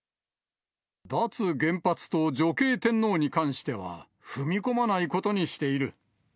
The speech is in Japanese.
脱原発と女系天皇に関しては、踏み込まないことにしている。